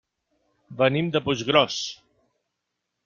Venim de Puiggròs.